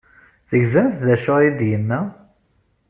Tegzamt d acu ay d-yenna?